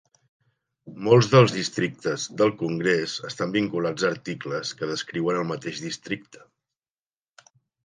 Molts dels districtes del congrés estan vinculats a articles que descriuen el mateix districte.